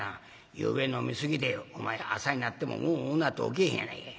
ゆうべ飲みすぎてお前な朝になってもうんうんうなって起きへんやないかい。